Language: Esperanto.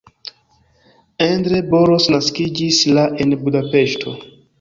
Endre Boros naskiĝis la en Budapeŝto.